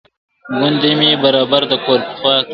ګوندي دی مي برابر د کور پر خوا کړي !.